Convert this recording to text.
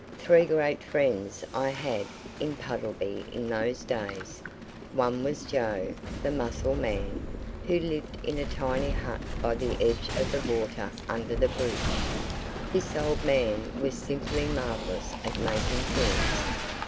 Three great friends I had in Puddleby in those days. One was Joe, the mussel man, who lived in a tiny hut by the edge of the water under the bridge. This old man was simply marvelous at making things.